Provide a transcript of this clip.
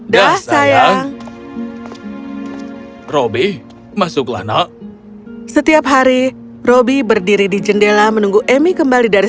dah sayang robby masuklah nok setiap hari robby berdiri di jendela menunggu emi kembali dari